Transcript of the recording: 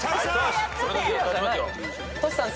トシさん